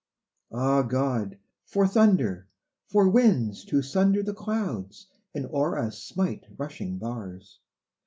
Ah, God! for thunder! for winds to sunder The clouds and o'er us smite rushing bars!